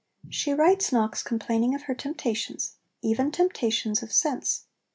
She writes Knox complaining of her temptations even temptations of sense.